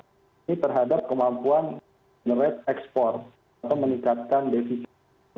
ini terhadap kemampuan generate export atau meningkatkan defisit